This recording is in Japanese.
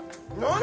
何？